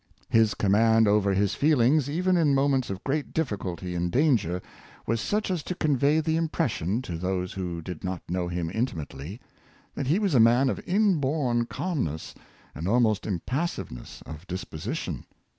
His command over his feel ings, even in moments of great difficulty and danger, was such as to convey the impression, to those who did not know him intimately, that he was a man of inborn calmness and almost impassiveness of disposition.